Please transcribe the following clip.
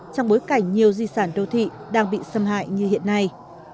trong bối cảnh nhiều di sản đô thị đang bị xâm hại như hiện nay